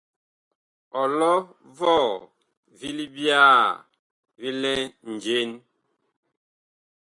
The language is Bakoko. Ɔlɔ vɔɔ vi libyaa vi lɛ njen ?